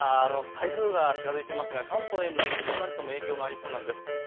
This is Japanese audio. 台風が近づいていますが関東へも多少影響がありそうです。